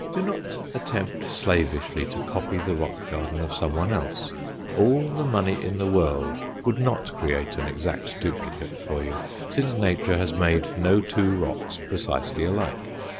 Do not attempt slavishly to copy the rock garden of some one else. All the money in the world would not create an exact duplicate for you, since nature has made no two rocks precisely alike.